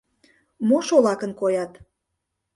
Мо шолакын коят?